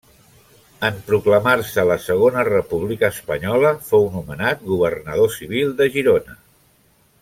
En proclamar-se la Segona República Espanyola, fou nomenat governador civil de Girona.